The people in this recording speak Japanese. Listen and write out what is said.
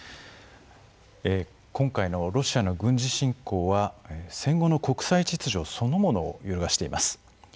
今回のロシアの軍事侵攻は戦後の国際秩序そのものを揺るがしています。